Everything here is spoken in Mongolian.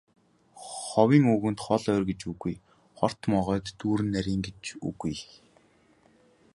Ховын үгэнд хол ойр гэж үгүй, хорт могойд бүдүүн нарийн гэж үгүй.